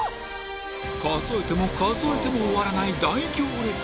数えても数えても終わらない大行列